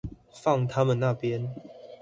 放他們那邊